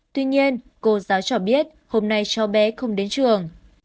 tuy nhiên cô giáo cho biết hôm nay cháu bé không đến trường